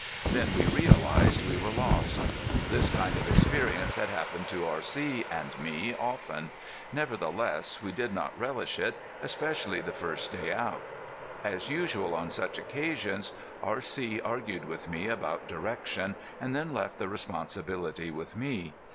Then we realized we were lost. This sort of experience had happened to R.C. and me often; nevertheless we did not relish it, especially the first day out. As usual on such occasions R.C. argued with me about direction, and then left the responsibility with me.